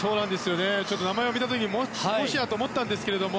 名前を見たときにもしや？と思ったんですが。